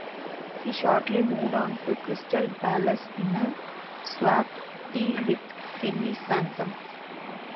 He shortly moved on to Crystal Palace in a swap deal with Kenny Sansom.